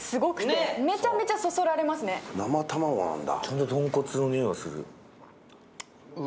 生卵なんだ。